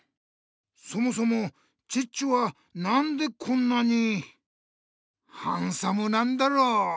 そもそもチッチはなんでこんなにハンサムなんだろう？